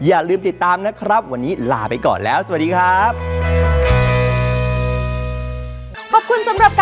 อย่าลืมติดตามนะครับวันนี้ลาไปก่อนแล้วสวัสดีครับ